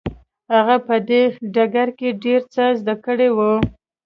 هغه په دې ډګر کې ډېر څه زده کړي وو.